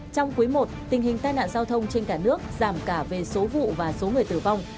trong quý i tình hình tai nạn giao thông trên cả nước giảm cả về số vụ và số người tử vong